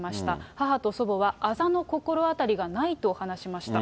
母と祖母はあざの心当たりがないと話しました。